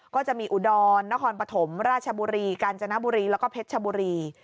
ก็จะมีอุดรนครปฐมราชบุรีกาญจนบุรีแล้วก็เพชรชบุรี